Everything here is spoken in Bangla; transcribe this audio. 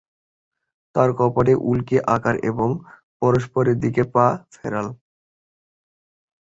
তারা কপালে উল্কি আঁকল এবং পরস্পরের দিকে পা ফেরাল।